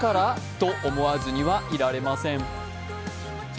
と思わずにはいられません。